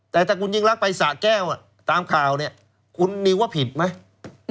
แต่ถ้าคุณยิ่งรักไปสะแก้วตามข่าวเนี่ยคุณนิวว่าผิดไหม